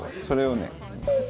それをね